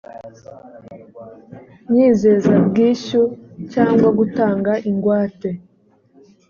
nyizezabwishyu cyangwa gutanga ingwate